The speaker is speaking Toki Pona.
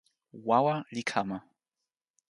wawa li kama.